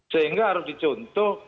sehingga harus dicontoh